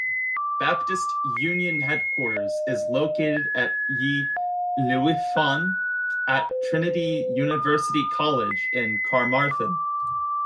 Baptist Union headquarters is located at Y Llwyfan at Trinity University College in Carmarthen.